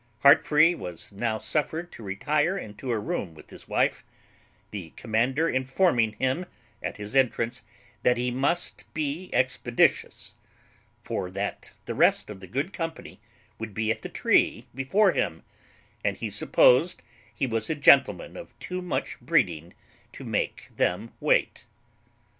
Heartfree was now suffered to retire into a room with his wife, the commander informing him at his entrance that he must be expeditious, for that the rest of the good company would be at the tree before him, and he supposed he was a gentleman of too much breeding to make them wait.